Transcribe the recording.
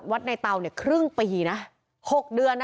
ในเตาเนี่ยครึ่งปีนะ๖เดือนนะ